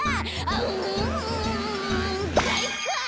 うんかいか！